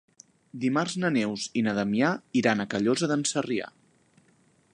Dimarts na Neus i na Damià iran a Callosa d'en Sarrià.